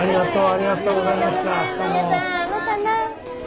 ありがとうございましたまたな。